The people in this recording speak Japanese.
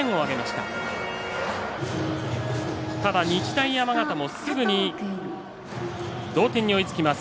ただ、日大山形もすぐに同点に追いつきます。